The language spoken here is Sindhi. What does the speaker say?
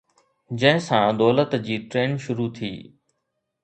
جنهن سان دولت جي ٽرين شروع ٿي